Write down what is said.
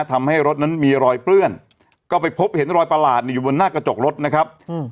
ทำให้รถนั้นมีรอยเปื้อนก็ไปพบเห็นรอยประหลาดอยู่บนหน้ากระจกรถนะครับ